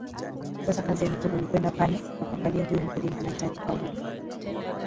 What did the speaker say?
sasa kazi ya mifugo ni kwenda pale na kuangalia huyu mkulima anahitaji fauli